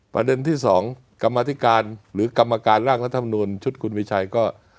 ประเด็นที่สองกรรมธิการหรือกรรมการร่างรัฐมนุนชุดคุณมีชัยก็